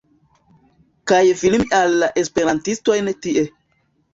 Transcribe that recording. kaj filmi al la esperantistojn tie